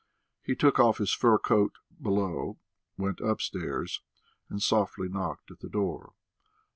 He took off his fur coat below, went upstairs, and softly knocked at the door.